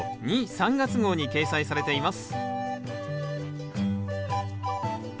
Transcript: ・３月号に掲載されています